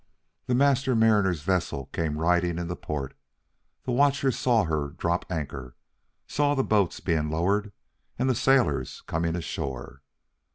The Master Mariner's vessel came riding into the port; the watchers saw her drop anchor, saw the boats being lowered, and the sailors coming ashore.